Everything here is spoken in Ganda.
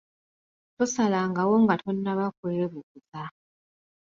Tosalangawo nga tonnaba kwebuuza.